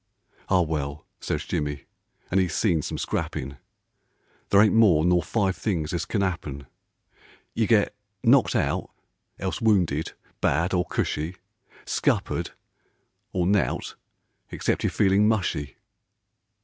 "" Ah well," says Jimmy, — an' 'e's seen some scrappin' There ain't more nor five things as can 'appen ; Ye get knocked out; else wounded — bad or cushy ; Scuppered ; or nowt except yer feeling mushy.